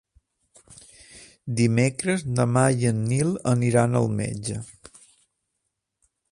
Dimecres na Mar i en Nil aniran al metge.